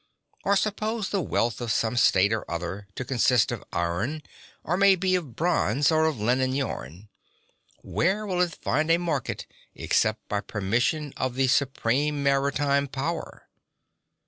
Or, suppose the wealth of some state or other to consist of iron, or may be of bronze, (13) or of linen yarn, where will it find a market except by permission of the supreme maritime power?